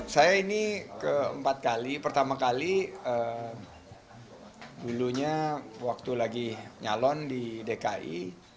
saya ini keempat kali pertama kali dulunya waktu lagi nyalon di dki